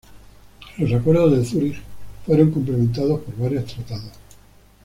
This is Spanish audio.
Los acuerdos de Zurich fueron complementados por varios tratados.